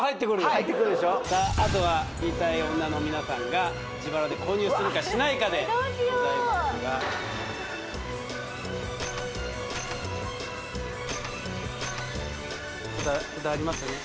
あとは言いたい女の皆さんが自腹で購入するかしないかでございますが札ありますね